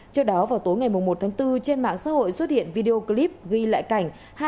trước đó vào tối ngày một tháng bốn trên mạng xã hội xuất hiện video clip ghi lại cảnh